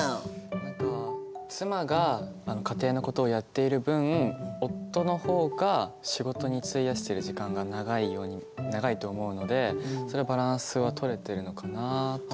何か妻が家庭のことをやっている分夫の方が仕事に費やしてる時間が長いと思うのでそれでバランスはとれてるのかなっていうふうには。